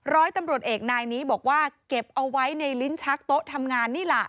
ร้อยตำรวจเอกนายนี้บอกว่าเก็บเอาไว้ในลิ้นชักโต๊ะทำงานนี่ล่ะ